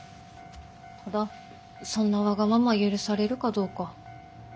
ただそんなわがまま許されるかどうか。